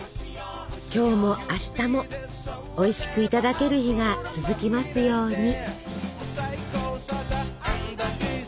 今日も明日もおいしくいただける日が続きますように。